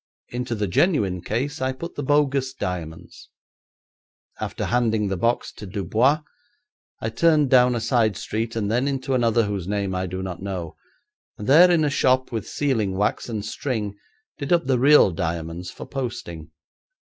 Into the genuine case I put the bogus diamonds. After handing the box to Dubois, I turned down a side street, and then into another whose name I do not know, and there in a shop with sealing wax and string did up the real diamonds for posting.